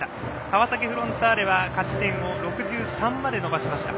川崎フロンターレは勝ち点を６３まで伸ばしました。